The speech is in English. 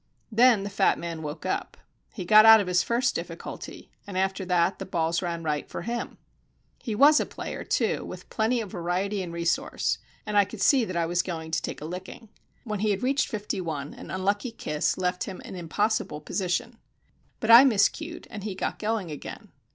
Then the fat man woke up. He got out of his first difficulty, and after that the balls ran right for him. He was a player, too, with plenty of variety and resource, and I could see that I was going to take a licking. When he had reached fifty one, an unlucky kiss left him an impossible position. But I miscued, and he got going again.